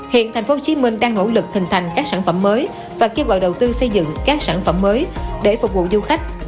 hiện thành phố hồ chí minh đang nỗ lực hình thành các sản phẩm mới và kế hoạch đầu tư xây dựng các sản phẩm mới để phục vụ du khách